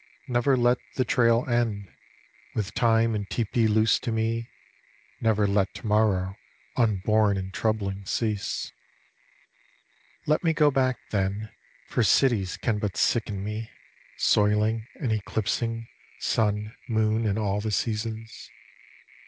Never let the trail end. With time and tepee loose to me, Never let tomorrow Unborn and troubling cease. THE HALF BREED 121 Let me go back, then, For cities can but sicken me. Soiling and eclipsing Sun, moon and all the seasons.